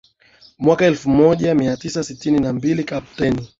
mwaka elfu moja mia tisa sitini na mbili Kapteni